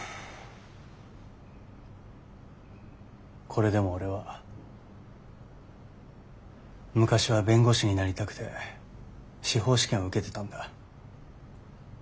これでも俺は昔は弁護士になりたくて司法試験を受けてたんだ。